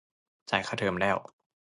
จ่ายค่าเทอมแล้ว